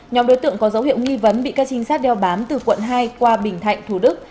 nhóm đối tượng có dấu hiệu nghi vấn bị các trinh sát đeo bám từ quận hai qua bình thạnh thủ đức